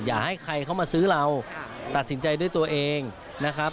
อย่าให้ใครเข้ามาซื้อเราตัดสินใจด้วยตัวเองนะครับ